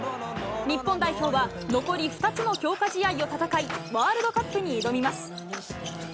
日本代表は、残り２つの強化試合を戦い、ワールドカップに挑みます。